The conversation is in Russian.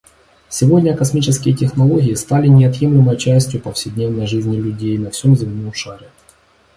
Сегодня космические технологии стали неотъемлемой частью повседневной жизни людей на всем земном шаре.